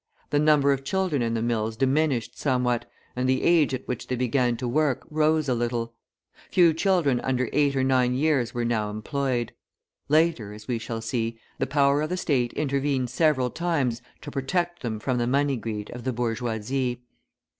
The number of children in the mills diminished somewhat, and the age at which they began to work rose a little; few children under eight or nine years were now employed. Later, as we shall see, the power of the State intervened several times to protect them from the money greed of the bourgeoisie.